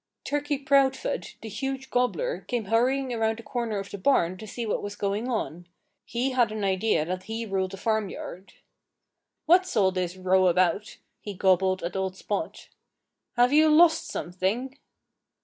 Turkey Proudfoot, the huge gobbler, came hurrying around the corner of the barn to see what was going on. He had an idea that he ruled the farmyard. "What's all this row about?" he gobbled at old Spot. "Have you lost something?"